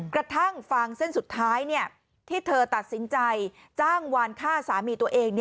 กระทั่งฟางเส้นสุดท้ายที่เธอตัดสินใจจ้างวานฆ่าสามีตัวเอง